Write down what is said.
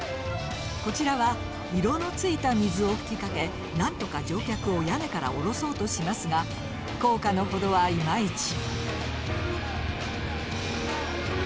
こちらは色のついた水を吹きかけなんとか乗客を屋根から降ろそうとしますが効果の程はいまいち。